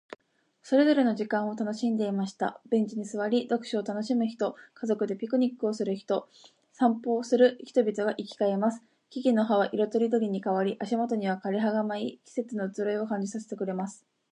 秋の夕暮れ、赤く染まる空と静かな風景が広がる公園で、人々はそれぞれの時間を楽しんでいました。ベンチに座り、読書を楽しむ人、家族でピクニックをする人、散歩する人々が行き交います。木々の葉は色とりどりに変わり、足元には枯葉が舞い、季節の移ろいを感じさせてくれます。